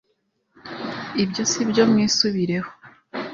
ibyo sibyo mwisubireho